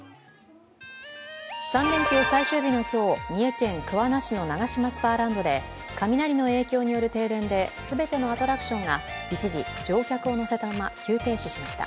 ３連休最終日の今日、三重県桑名市のナガシマスパーランドで雷の影響による停電で全てのアトラクションが一時、乗客を乗せたまま急停止しました。